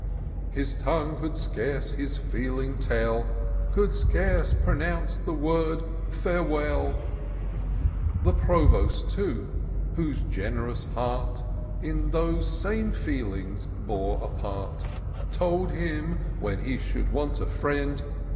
His tongue could scarce his feeling tell, Could scarce pronounce the word, " fsirewell !" The Provost, too, whose gen'rous heart In those same feelings bore a part. Told him, when he should want a friend.